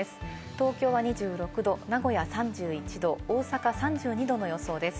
東京は２６度、名古屋３１度、大阪３２度の予想です。